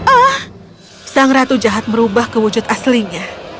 ah sang ratu jahat merubah kewujud aslinya